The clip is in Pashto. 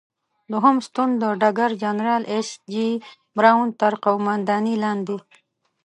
دوهم ستون د ډګر جنرال ایس جې براون تر قوماندې لاندې.